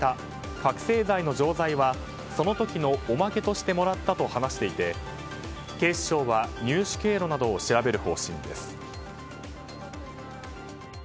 覚醒剤の錠剤はその時のおまけとしてもらったと話していて警視庁は入手経路などを調べる方針です。